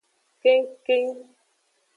Kengkeng.